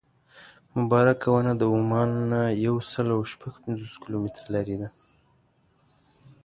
مبارکه ونه د عمان نه یو سل او شپږ پنځوس کیلومتره لرې ده.